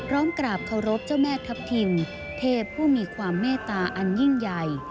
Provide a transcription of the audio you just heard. กราบเคารพเจ้าแม่ทัพทิมเทพผู้มีความเมตตาอันยิ่งใหญ่